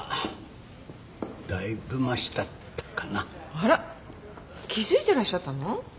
あら気付いてらっしゃったの？